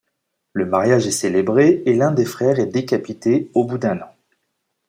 Le mariage est célébré et l’un des frères est décapité au bout d’un an.